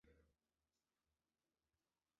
Tenía un pie humano y el otro era una pata con pezuña.